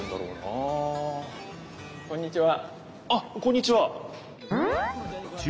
あっこんにちは。